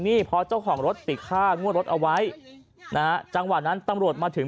นี่เพราะเจ้าของรถติดค่างวดรถเอาไว้นะฮะจังหวะนั้นตำรวจมาถึง